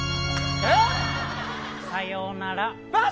さようなら。